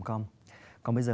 còn bây giờ